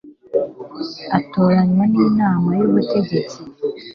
atoranywa n inama y ubutegetsi